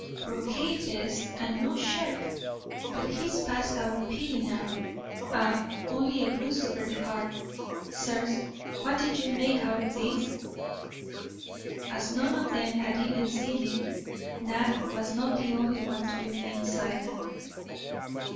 Brocaded vest and no shirt; but he's past our pity now. Ah, only a bruise over the heart. Sirs, what did you make out of this?" As none of them had even seen it, Knapp was not the only one to remain silent.